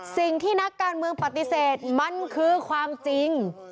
สิ่งที่นักการเมืองปฏิเสธมันคือความจริง